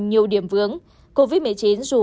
nhiều điểm vướng covid một mươi chín dù